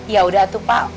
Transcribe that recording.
yaudah tuh pak